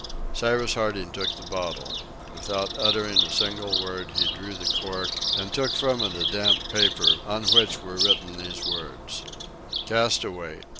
Cyrus Harding took the bottle. Without uttering a single word he drew the cork, and took from it a damp paper, on which were written these words: "Castaway....